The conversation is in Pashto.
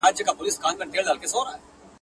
o گل د کډو گل دئ، چي يو پورته کوې تر لاندي بل دئ.